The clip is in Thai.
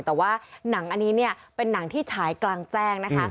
แต่ว่าหนังอันนี้เนี่ยเป็นหนังที่ฉายกลางแจ้งนะคะ